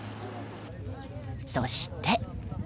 そして。